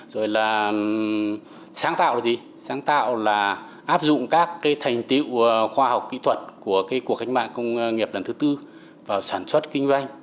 rồi là sáng tạo là gì sáng tạo là áp dụng các thành tiệu khoa học kỹ thuật của cuộc cách mạng công nghiệp lần thứ tư vào sản xuất kinh doanh